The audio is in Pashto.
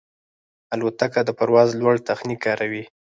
الوتکه د پرواز لوړ تخنیک کاروي.